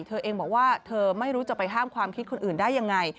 เธอเองบอกว่าเธอไม่รู้จะไปห้ามความคิดคนอื่นได้ยังไง